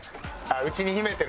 内に秘めてる。